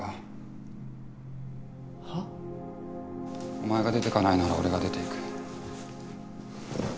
お前が出ていかないなら俺が出ていく。